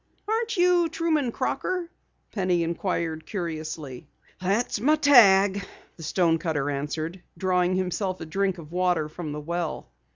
"Aren't you Truman Crocker?" Penny inquired curiously. "That's my tag," the stonecutter answered, drawing himself a drink of water from the well.